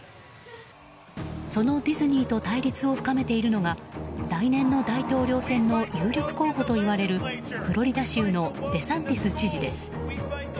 そのディズニーと対立を深めているのが来年の大統領選の有力候補と言われるフロリダ州のデサンティス知事です。